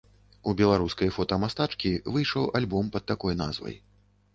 У беларускай фотамастачкі выйшаў альбом пад такой назвай.